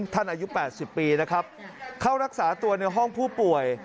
อายุ๘๐ปีนะครับเข้ารักษาตัวในห้องผู้ป่วย